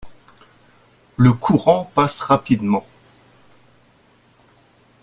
Le courant passe rapidement.